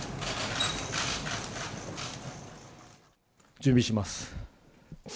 準備します。